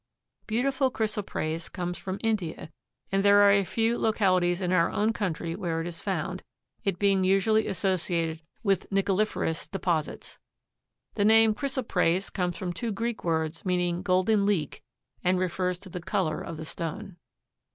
Beautiful chrysoprase comes from India and there are a few localities in our own country where it is found, it being usually associated with nickeliferous deposits. The name chrysoprase comes from two Greek words meaning golden leek and refers to the color of the stone.